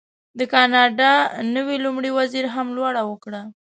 د کاناډا نوي لومړي وزیر هم لوړه وکړه.